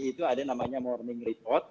itu ada namanya morning report